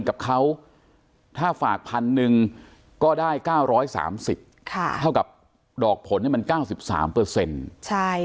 กภาค๑๐๐๐ก็ได้๙๓๐เท่ากับดอกผลมัน๙๓ใช่